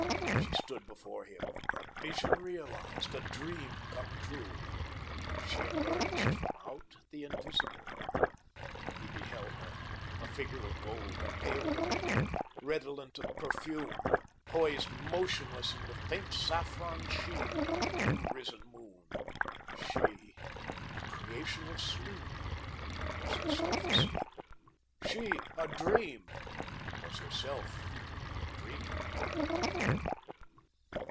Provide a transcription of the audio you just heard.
She stood before him, a Vision realised a dream come true. She emerged from out the invisible. He beheld her, a figure of gold and pale vermilion, redolent of perfume, poised motionless in the faint saffron sheen of the new risen moon. She, a creation of sleep, was herself asleep. She, a dream, was herself dreaming.